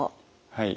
はい。